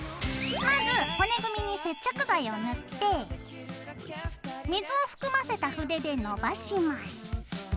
まず骨組みに接着剤を塗って水を含ませた筆で伸ばします。